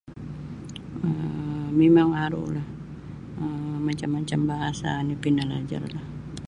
Um mimang arulah um macam-macam bahasa oni pinalajar do.